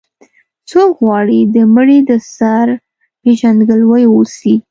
څوک غواړي د مړي د سر پېژندګلوي واوسي.